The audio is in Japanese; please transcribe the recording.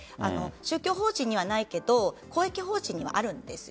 宗教法人にはないけど公益法人にはあるんです。